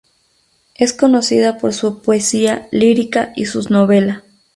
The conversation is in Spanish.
Es conocida por su poesía lírica y sus novela.